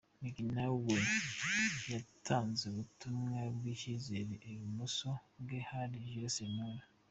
Migi nawe yatanzeubutumwa bw'icyizere, ibumoso bwe hari Jules Sentore.